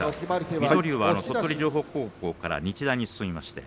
水戸龍は鳥取城北高校から日大に進みました。